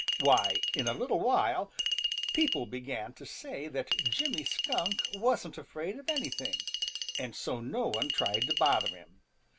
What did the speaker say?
Why, in a little while people began to say that Jimmy Skunk wasn't afraid of anything, and so no one tried to bother him.